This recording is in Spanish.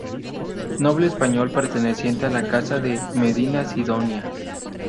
Noble español perteneciente a la casa de Medina Sidonia.